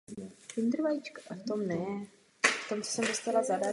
V současnosti je zámek ve správě Národního památkového ústavu a je zpřístupněn veřejnosti.